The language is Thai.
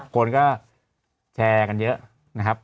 คนก็แชร์กันเยอะนะครับ